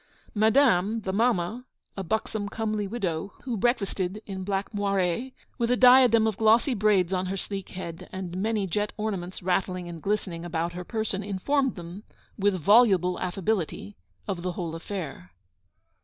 Madame, the mamma, a buxom, comely widow, who breakfasted in black moire, with a diadem of glossy braids on her sleek head, and many jet ornaments rattling and glistening about her person, informed them, with voluble affability, of the whole affair.